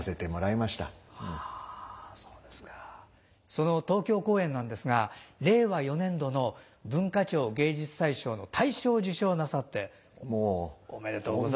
その東京公演なんですが令和４年度の文化庁芸術祭賞の大賞を受賞なさっておめでとうございます。